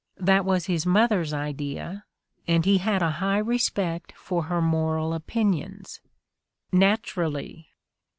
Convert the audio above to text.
That was his mother 's idea, and he had a high respect for her moral opinions." Naturally!